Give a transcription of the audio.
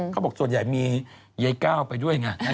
เขาบอกส่วนใหญ่มียายก้าวไปด้วยไง